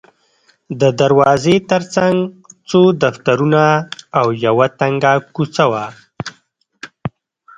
د دروازې ترڅنګ څو دفترونه او یوه تنګه کوڅه وه.